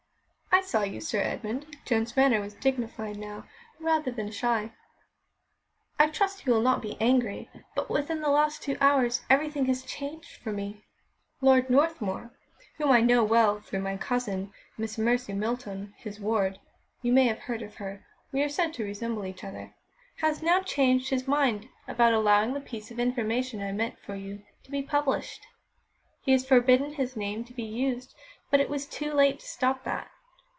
"I saw you, Sir Edmund." Joan's manner was dignified now, rather than shy. "I trust you will not be angry, but within the last two hours everything has changed for me. Lord Northmuir, whom I know well through my cousin, Miss Mercy Milton, his ward (you may have heard of her; we are said to resemble each other), has now changed his mind about allowing the piece of information I meant for you to be published. He has forbidden his name to be used, but it was too late to stop that.